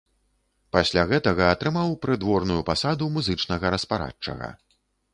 Пасля гэтага атрымаў прыдворную пасаду музычнага распарадчага.